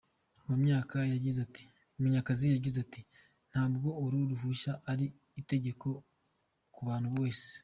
Munyakazi yagize ati“Ntabwo uru ruhushya ari itegeko ku muntu wese.